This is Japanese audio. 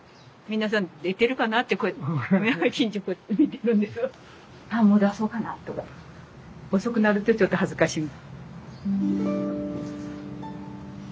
皆さん出てるかなってこうやって近所こうやって見てるんですがああもう出そうかなっとか。遅くなるとちょっと恥ずかしい。